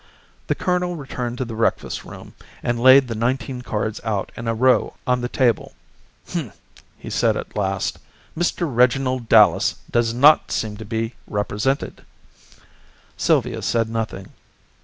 The colonel returned to the breakfast room, and laid the nineteen cards out in a row on the table. "H'm!" he said, at last. "Mr. Reginald Dallas does not seem to be represented." Sylvia said nothing.